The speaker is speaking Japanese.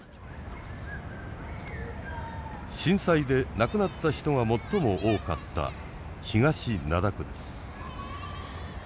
震災で亡くなった人が最も多かった東灘区です。